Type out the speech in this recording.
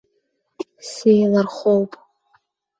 Сеилархоуп.